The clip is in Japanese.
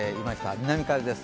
南風です。